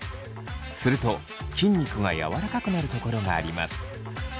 すると筋肉が柔らかくなるところがあります。